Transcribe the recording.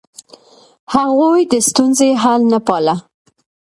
هغوی د ستونزې حل نه پاله.